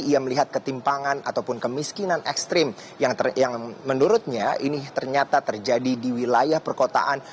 ia melihat ketimpangan ataupun kemiskinan ekstrim yang menurutnya ini ternyata terjadi di wilayah perkotaan